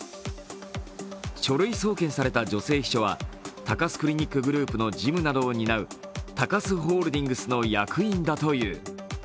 書類送検された女性秘書は高須クリニックグループの事務などを担う高須ホールディングスの役員だという。